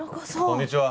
こんにちは。